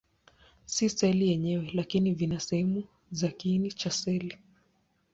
Si seli yenyewe, lakini vina sehemu za kiini cha seli.